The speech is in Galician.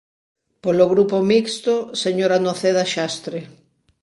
Polo Grupo Mixto, señora Noceda Xastre.